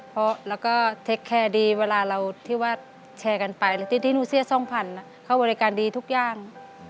เพราะแล้วก็เทคแคร์ดีเวลาเราที่ว่าแชร์กันไปแล้วที่หนูเสีย๒๐๐เขาบริการดีทุกอย่าง